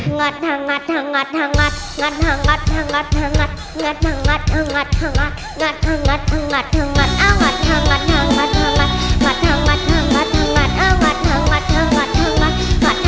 หงอดหงอดหงอดหงอดหงอดหงอดหงอดหงอด